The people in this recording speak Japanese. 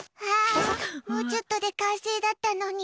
もうちょっとで完成だったのに。